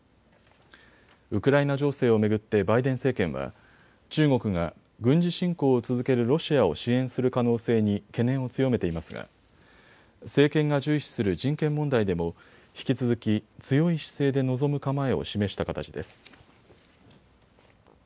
ウクライナ情勢を巡ってバイデン政権は中国が軍事侵攻を続けるロシアを支援する可能性に懸念を強めていますが政権が重視する人権問題でも引き続き強い姿勢で臨む構えを示した形です。